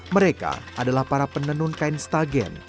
mereka adalah para penenun kain stagen